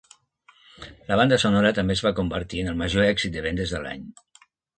La banda sonora també es va convertir en el major èxit de vendes de l'any.